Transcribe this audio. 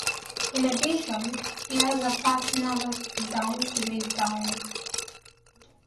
In addition, he has a past nervous breakdown to live down.